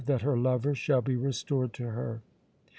that her lover shall be restored to her!"